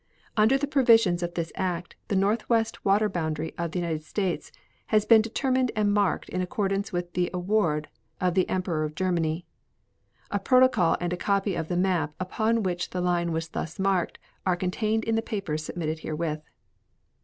Under the provisions of this act the northwest water boundary of the United States has been determined and marked in accordance with the award of the Emperor of Germany. A protocol and a copy of the map upon which the line was thus marked are contained in the papers submitted herewith.